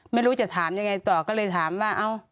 ไม่รู้จะถามยังไงต่อก็เลยถามว่า